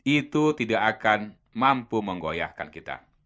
itu tidak akan mampu menggoyahkan kita